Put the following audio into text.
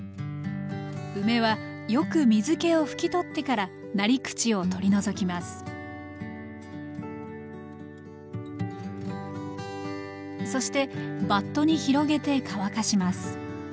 梅はよく水けを拭き取ってからなり口を取り除きますそしてバットに広げて乾かします